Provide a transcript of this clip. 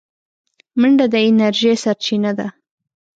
منډه د انرژۍ سرچینه ده